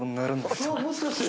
これはもしかして！